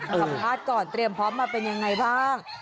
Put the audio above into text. สัมภาษณ์ก่อนเตรียมพร้อมมาเป็นยังไงบ้าง